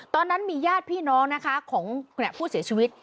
ตอนนั้นมีญาติพี่น้องนะคะของผู้เสียชีวิต